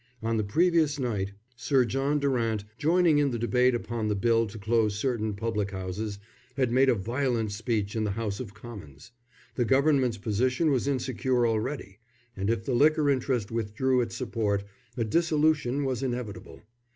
On the previous night Sir John Durant, joining in the debate upon the bill to close certain public houses, had made a violent speech in the House of Commons. The Government's position was insecure already, and if the liquor interest withdrew its support, a dissolution was inevitable.